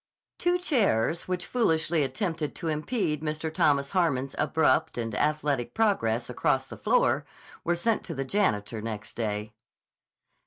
Two chairs which foolishly attempted to impede Mr. Thomas Harmon's abrupt and athletic progress across the floor were sent to the janitor next day.